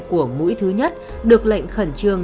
của mũi thứ nhất được lệnh khẩn trương